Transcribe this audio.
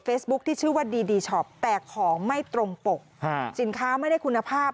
ที่ชื่อว่าดีดีช็อปแต่ของไม่ตรงปกสินค้าไม่ได้คุณภาพ